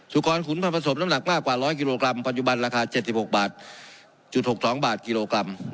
กรขุนผันผสมน้ำหนักมากกว่า๑๐๐กิโลกรัมปัจจุบันราคา๗๖บาทจุด๖๒บาทกิโลกรัม